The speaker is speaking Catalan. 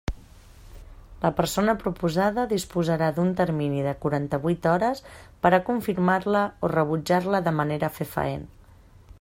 La persona proposada disposarà d'un termini de quaranta-vuit hores per a confirmar-la o rebutjar-la de manera fefaent.